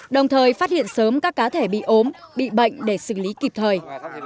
đồng thời phát hiện sớm các cá thể bị ốm bị bệnh để xử lý kịp thời